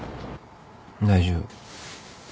大丈夫。